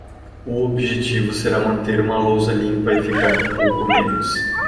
O objetivo será manter uma lousa limpa e ficar um pouco menos.